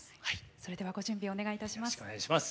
それではご準備お願いいたします。